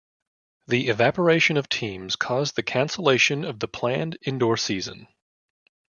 The evaporation of teams caused the cancellation of the planned indoor season.